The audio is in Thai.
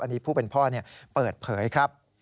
อันนี้ผู้เป็นพ่อเปิดเผยครับ